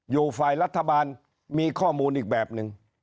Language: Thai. อยู่ฝ่ายรัฐบาลมีข้อมูลอีกแบบนึง